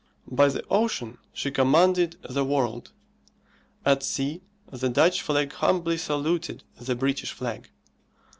By the ocean she commanded the world; at sea the Dutch flag humbly saluted the British flag.